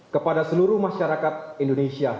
kepada seluruh masyarakat indonesia